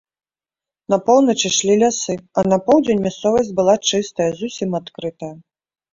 На поўнач ішлі лясы, а на поўдзень мясцовасць была чыстая, зусім адкрытая.